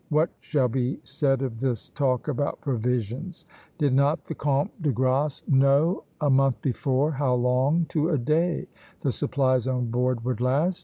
What shall be said of this talk about provisions? Did not the Comte de Grasse know a month before how long, to a day, the supplies on board would last?